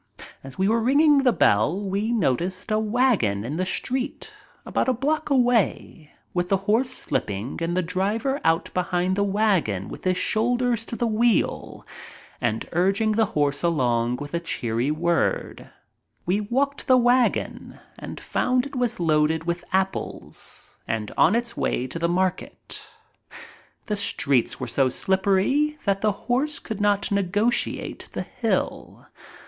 As we were ringing the bell we noticed a wagon in the street about a block away, with the horse slipping and the driver out behind the wagon with his shoulder to the wheel and urging the horse along with cheery words. We walked to the wagon and found it was loaded with apples and on its way to the market. The streets were so slippery that the horse could not negotiate the hill.